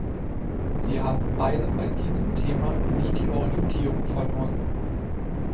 Sie haben beide bei diesem Thema nie die Orientierung verloren.